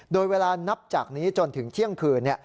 โดยเวลานับจากนี้จนถึงเที่ยงคืน